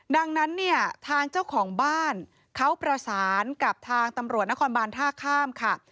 ดังนั้นเนี่ยทางเจ้าของบ้านเขาประสานกับทางตำรวจนครบานท่าข้ามค่ะ